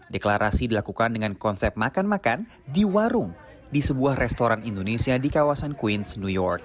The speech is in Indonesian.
deklarasi dilakukan dengan konsep makan makan di warung di sebuah restoran indonesia di kawasan queens new york